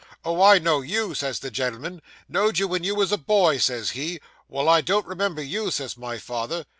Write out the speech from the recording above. "Oh, I know you," says the gen'l'm'n: "know'd you when you was a boy," says he. "Well, I don't remember you," says my father.